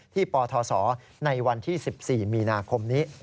ปทศในวันที่๑๔มีนาคมนี้